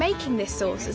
そう。